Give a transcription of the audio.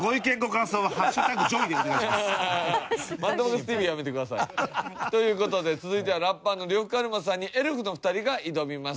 「マッドマックスＴＶ」やめてください。という事で続いてはラッパーの呂布カルマさんにエルフの２人が挑みます。